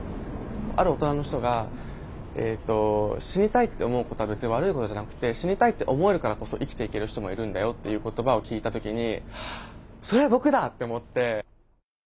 ある大人の人が「死にたいって思うことは別に悪いことじゃなくて死にたいって思えるからこそ生きていける人もいるんだよ」っていう言葉を聞いた時にそれ僕だって思って。